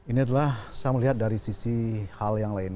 ini adalah saya melihat dari sisi hal yang lain